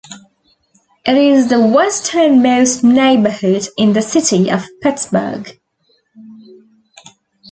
It is the westernmost neighborhood in the City of Pittsburgh.